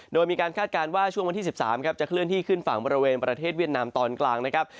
โดยมีการคาดการณ์ว่าช่วงวันที่๑๓ครับจะเคลื่อนที่ขึ้นฝั่งบริเวณประเทศเวียดนามตอนกลางนะครับ